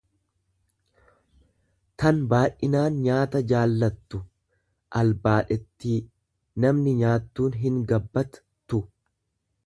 tan baay'inaan nyaata. jaallattu, albaadhettii; Namni nyaattuun hingabbat tu.